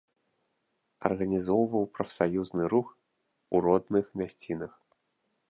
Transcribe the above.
Арганізоўваў прафсаюзны рух у родных мясцінах.